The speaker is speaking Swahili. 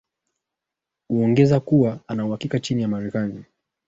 uongeza kuwa anauhakika nchi ya marekani